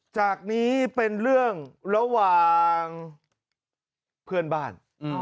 จากนี้เป็นเรื่องระหว่างเพื่อนบ้าน